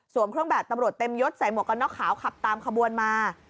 เครื่องแบบตำรวจเต็มยดใส่หมวกกันน็อกขาวขับตามขบวนมา